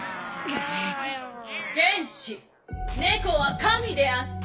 原始猫は神であった。